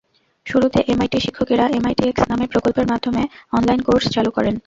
শুরুতে এমআইটির শিক্ষকেরা এমআইটিএক্স নামের প্রকল্পের মাধ্যমে অনলাইন কোর্স চালু করেন।